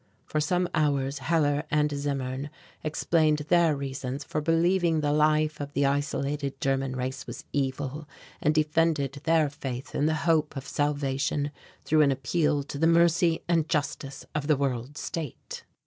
For some hours Hellar and Zimmern explained their reasons for believing the life of the isolated German race was evil and defended their faith in the hope of salvation through an appeal to the mercy and justice of the World State.